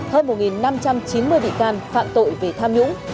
hơn một năm trăm chín mươi bị can phạm tội về tham nhũng